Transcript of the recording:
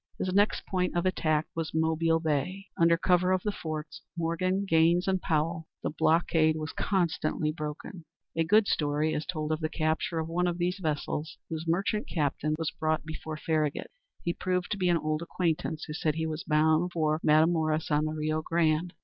His next point of attack was Mobile Bay. Under cover of the forts, Morgan, Gaines, and Powell, the blockade was constantly broken. A good story is told of the capture of one of these vessels, whose merchant captain was brought before Farragut. He proved to be an old acquaintance, who said he was bound for Matamoras on the Rio Grande!